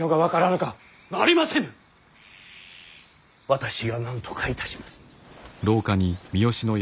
私がなんとかいたします。